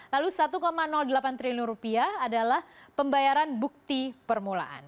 lalu satu delapan triliun rupiah adalah pembayaran bukti permulaan